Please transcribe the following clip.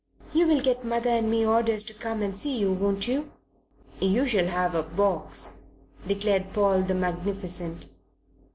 "You'll get mother and me orders to come and see you, won't you?" "You shall have a box," declared Paul the magnificent.